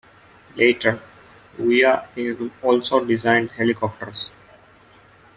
Later, Vuia also designed helicopters.